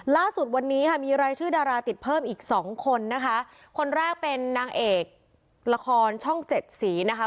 ล่าสุดวันนี้ค่ะมีรายชื่อดาราติดเพิ่มอีกสองคนนะคะคนแรกเป็นนางเอกละครช่องเจ็ดสีนะคะ